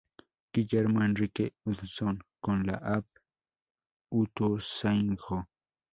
Guillermo Enrique Hudson Con la Av Ituzaingó.